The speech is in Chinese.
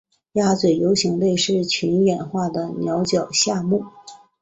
鸭嘴龙形类是群衍化的鸟脚下目。